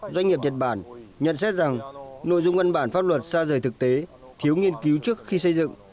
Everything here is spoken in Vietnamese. doanh nghiệp nhật bản nhận xét rằng nội dung văn bản pháp luật xa rời thực tế thiếu nghiên cứu trước khi xây dựng